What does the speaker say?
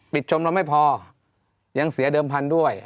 ชมเราไม่พอยังเสียเดิมพันธุ์ด้วย